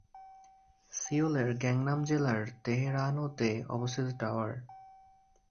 সিউলের Gangnam জেলার তেহেরানোতে অবস্থিত tower.